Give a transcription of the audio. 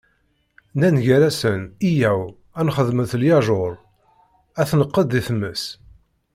Nnan gar-asen: Yyaw ad nxedmet lyajuṛ, ad t-neqqed di tmes.